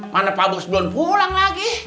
mana pak bus belum pulang lagi